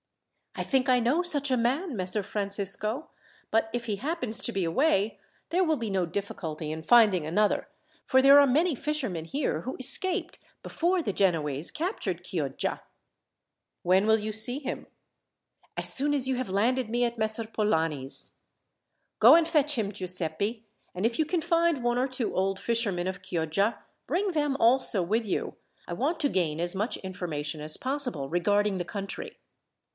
"I think I know such a man, Messer Francisco; but if he happens to be away, there will be no difficulty in finding another, for there are many fishermen here who escaped before the Genoese captured Chioggia." "When will you see him?" "As soon as you have landed me at Messer Polani's." "Go and fetch him, Giuseppi; and if you can find one or two old fishermen of Chioggia, bring them also with you. I want to gain as much information as possible regarding the country."